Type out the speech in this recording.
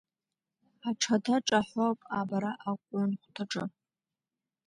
Аҽада ҿаҳәоуп абра акәынҭхәаҿы.